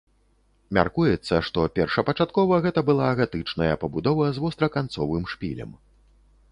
Мяркуецца, што першапачаткова гэта была гатычная пабудова з востраканцовым шпілем.